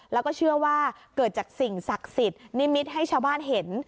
แล้วก็เชื่อว่าเกิดจากสิ่งศักดิ์สิทธิ์นิมิตให้ชาวบ้านเห็น